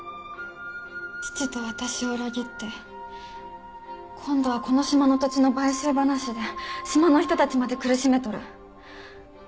父と私を裏切って今度はこの島の土地の買収話で島の人たちまで苦しめとる。